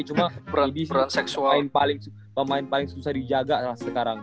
cuma pemain paling susah dijaga sekarang